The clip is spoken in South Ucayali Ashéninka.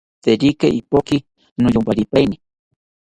Tekirata ipoki niyomparipaeni